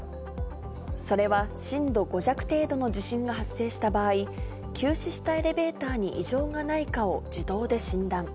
それは震度５弱程度の地震が発生した場合、休止したエレベーターに異常がないかを自動で診断。